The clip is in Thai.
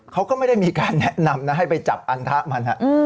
เขาก็ไม่ได้มีการแนะนำนะให้ไปจับอันทะมัน